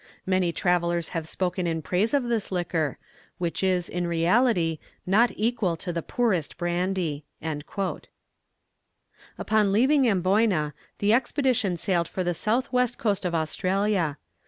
Many travellers have spoken in praise of this liquor, which is, in reality, not equal to the poorest brandy." Upon leaving Amboyna, the expedition sailed for the south west coast of Australia.